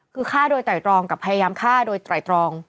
คือฆ่าโดยไตรตรองกับพยายามฆ่าโดยไตรตรอง